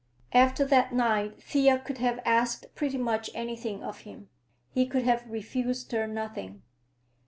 After that night Thea could have asked pretty much anything of him. He could have refused her nothing.